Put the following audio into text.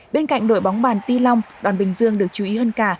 bên cạnh đội bóng bàn ti long đoàn bình dương được chú ý hơn cả